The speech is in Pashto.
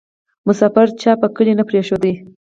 ـ مسافر چا په کلي کې نه پرېښود